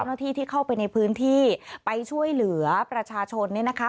หน้าที่ที่เข้าไปในพื้นที่ไปช่วยเหลือประชาชนเนี่ยนะคะ